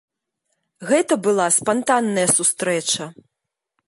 Гэта была спантанная сустрэча.